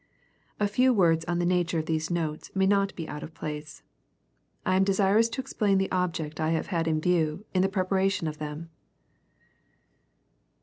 A few words on the nature of these notes may not be ^ out of place. I am desirous to explain the object I have >. bad in view in the preparation of them.